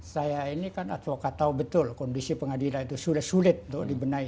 saya ini kan advokat tahu betul kondisi pengadilan itu sudah sulit untuk dibenahi